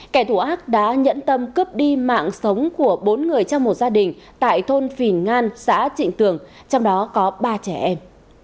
kẻ thù ác đã nhẫn tâm cướp đi mạng sống của bốn người trong một gia đình tại thôn phìn ngan xã trịnh tường trong đó có ba trẻ em